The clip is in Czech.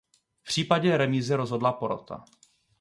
V případě remízy rozhodla porota.